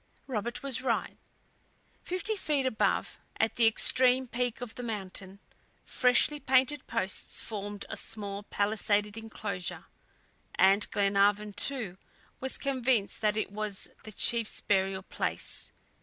Robert was right. Fifty feet above, at the extreme peak of the mountain, freshly painted posts formed a small palisaded inclosure, and Glenarvan too was convinced that it was the chief's burial place.